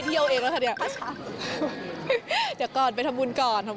เดี๋ยวก่อนไปทำบุญก่อน